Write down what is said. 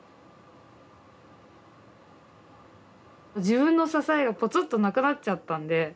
自分の支えがぽつっとなくなっちゃったんで。